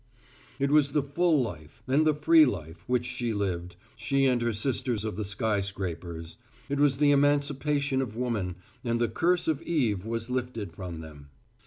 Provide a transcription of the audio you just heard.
It was the full life and the free life which she lived, she and her sisters of the skyscrapers. It was the emancipation of woman, and the curse of Eve was lifted from them.